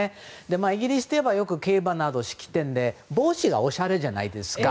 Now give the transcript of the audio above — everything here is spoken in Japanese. イギリスといえばよく競馬など式典で帽子がおしゃれじゃないですか。